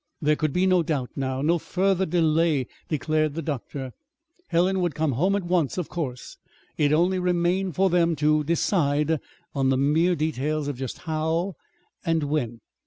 There could be no doubt now, no further delay, declared the doctor. Helen would come home at once, of course. It only remained for them to decide on the mere details of just how and when.